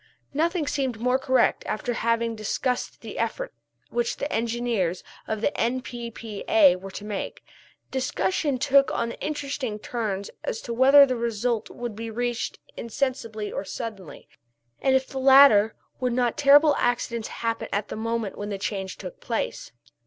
Nothing seemed more correct after having discussed the effort which the engineers of the N.P.P.A. were to make. Discussion took on the interesting turn as to whether this result would be reached insensibly or suddenly. And if the latter, would not terrible accidents happen at the moment when the change took place?